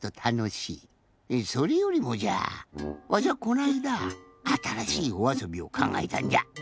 それよりもじゃわしはこのあいだあたらしいおあそびをかんがえたんじゃ。